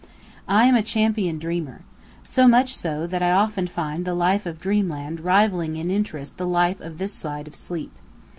I am a champion dreamer. So much so, that I often find the life of dreamland rivalling in interest the life this side of sleep.